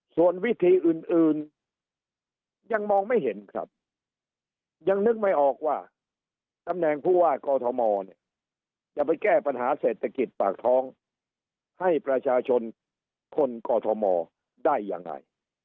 ส่วนวิธีอื่นยังมองไม่เห็นครับยังนึกไม่ออกว่าตำแหน่งผู้ว่ากอทมเนี่ยจะไปแก้ปัญหาเศรษฐกิจปากท้องให้ประชาชนคนกอทมได้ยังไง